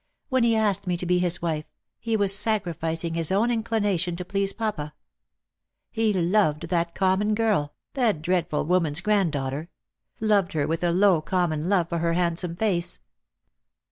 " When he asked me to be his wife, he was sacrificing his own inclination to please papa. He loved that common girl — that dreadful woman's granddaughter, — loved her with a low common love for her handsome face.